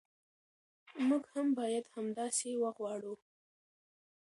موږ هم باید همداسې وغواړو.